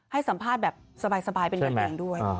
ให้สัมภาษณ์แบบสบายเป็นกันเองด้วย